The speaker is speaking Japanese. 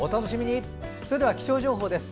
それでは気象情報です。